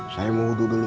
saya mau uduh dulu